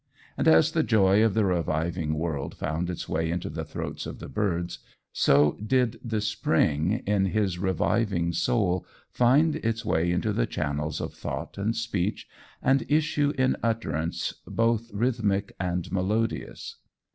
And as the joy of the reviving world found its way into the throats of the birds, so did the spring in his reviving soul find its way into the channels of thought and speech, and issue in utterance both rhythmic and melodious.